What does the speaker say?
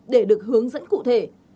để được hướng dẫn cụ thể